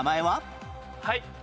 はい。